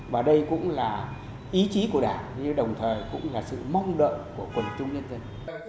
và đây cũng là ý chí của đảng nhưng đồng thời cũng là sự mong đợi của quần chúng nhân dân